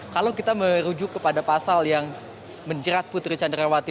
kalau kita merujuk kepada pasal yang menjerat putri candrawati